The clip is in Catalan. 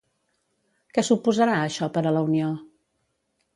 Què suposarà això per a la Unió?